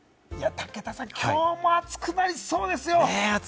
武田さん、きょうも暑くなりそうですよ。